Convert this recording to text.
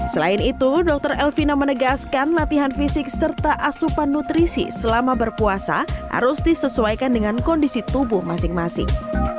selain itu dokter elvina menegaskan latihan fisik serta asupan nutrisi selama berpuasa harus disesuaikan dengan kondisi tubuh masing masing